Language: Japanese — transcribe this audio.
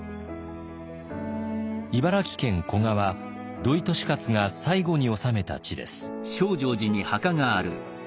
茨城県古河は土井利勝が最後に治めた地です。